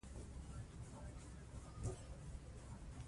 ډوپامین د خوځښت لپاره مهم دی.